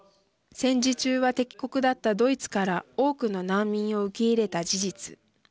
戦時中は敵国だったドイツから多くの難民を受け入れた事実。